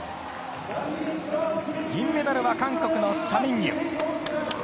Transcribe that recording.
銀メダルは韓国のチャ・ミンギュ。